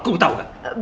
kamu tau gak